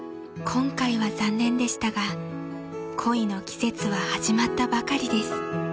［今回は残念でしたが恋の季節は始まったばかりです］